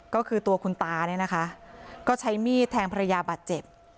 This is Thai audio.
ก็คือตัวคุณตาเนี่ยนะคะก็ใช้มีดแทงภรรยาบาดเจ็บ